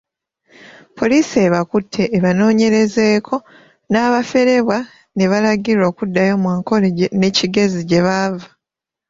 Poliisi ebakutte ebanoonyerezeeko n'abaaferebwa ne balagirwa okuddayo mu Ankole ne Kigezi gye baava.